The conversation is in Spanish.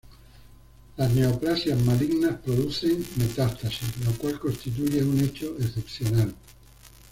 Las neoplasias malignas producen metástasis, lo cual constituye un hecho excepcional.